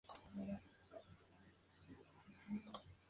Esta canción ha sido presentada en vivo en la discoteca valenciana Bananas